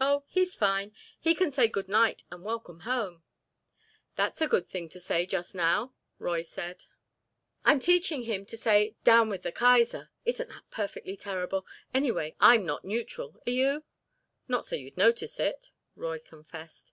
"Oh, he's fine! He can say 'Good night' and 'Welcome, home'!" "That's a good thing to say just now," Roy said. "And I'm teaching him to say 'Down with the Kaiser'! Isn't that perfectly terrible! Anyway, I'm not neutral. Are you?" "Not so you'd notice it," Roy confessed.